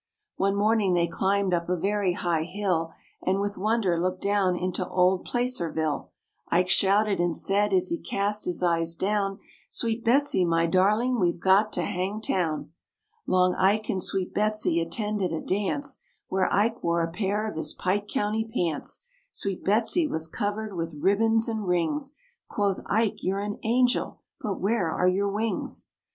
One morning they climbed up a very high hill, And with wonder looked down into old Placerville; Ike shouted and said, as he cast his eyes down, "Sweet Betsy, my darling, we've got to Hangtown." Long Ike and sweet Betsy attended a dance, Where Ike wore a pair of his Pike County pants; Sweet Betsy was covered with ribbons and rings. Quoth Ike, "You're an angel, but where are your wings?"